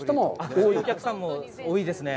そういうお客さんも多いですね。